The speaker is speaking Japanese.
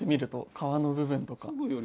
皮の部分とか。